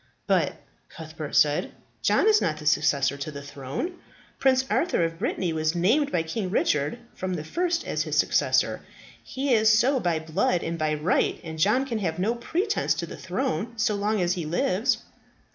"But," Cuthbert said, "John is not the successor to the throne. Prince Arthur of Brittany was named by King Richard from the first as his successor. He is so by blood and by right, and John can have no pretence to the throne so long as he lives."